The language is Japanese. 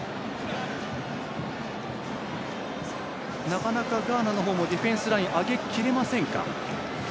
なかなか、ガーナの方もディフェンスライン上げきれませんか？